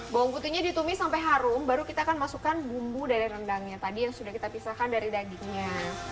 bawang putihnya ditumis sampai harum baru kita akan masukkan bumbu dari rendangnya tadi yang sudah kita pisahkan dari dagingnya